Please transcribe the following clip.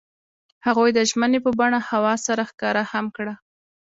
هغوی د ژمنې په بڼه هوا سره ښکاره هم کړه.